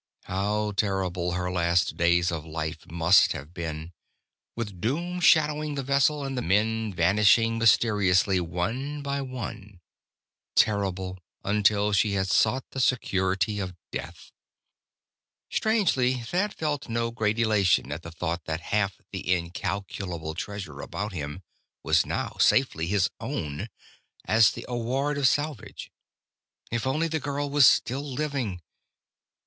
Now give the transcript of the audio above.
How terrible her last days of life must have been, with doom shadowing the vessel, and the men vanishing mysteriously, one by one! Terrible until she had sought the security of death. Strangely, Thad felt no great elation at the thought that half the incalculable treasure about him was now safely his own, as the award of salvage. If only the girl were still living....